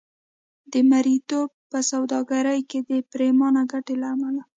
د مریتوب په سوداګرۍ کې د پرېمانه ګټې له امله.